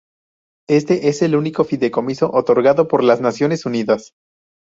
Este es el único fideicomiso otorgado por las Naciones Unidas.